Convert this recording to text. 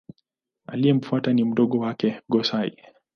Aliyemfuata ni mdogo wake Go-Sai.